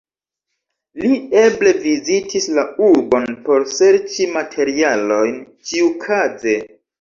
Li eble vizitis la urbon por serĉi materialojn ĉiukaze.